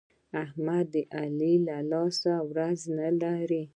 احمد د علي له لاسه ورځ نه لري.